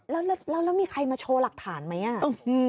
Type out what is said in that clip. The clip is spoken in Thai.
แล้วมีใครมาโชว์หลักฐานไหม